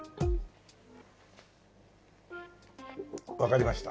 わかりました。